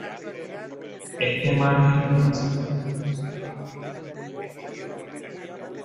Este margen lo hace menos propenso a atascos repentinos.